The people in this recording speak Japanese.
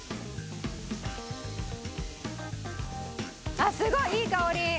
あっすごいいい香り！